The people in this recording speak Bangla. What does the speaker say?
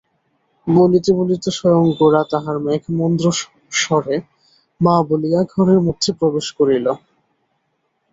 বলিতে বলিতে স্বয়ং গোরা তাহার মেঘমন্দ্র স্বরে মা বলিয়া ঘরের মধ্যে প্রবেশ করিল।